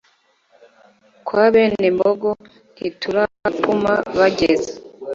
kwa bene Mbogo ntituragatuma bageza